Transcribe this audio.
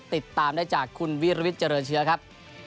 ติดตามได้จากคุณวิรวิทย์เจริญเชื้อครับ